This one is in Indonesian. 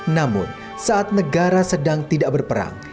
namun saat negara sedang tidak berperang